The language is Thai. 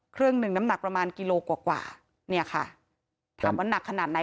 เครื่องหนึ่งน้ำหนักประมาณกิโลกว่าถามว่านักขนาดไหน